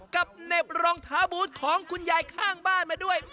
เหน็บรองเท้าบูธของคุณยายข้างบ้านมาด้วย